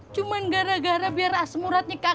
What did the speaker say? cuman gara gara biar asmuratnya kagak kampuh